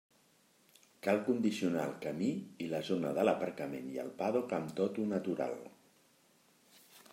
Cal condicionar el camí i la zona de l'aparcament i el pàdoc amb tot-u natural.